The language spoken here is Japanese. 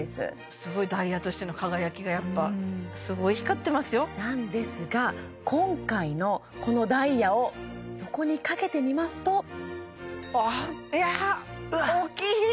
すごいダイヤとしての輝きがやっぱすごい光ってますよなんですが今回のこのダイヤを横にかけてみますとうわっおっきい！